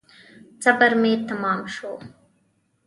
صبر مي تمام شو .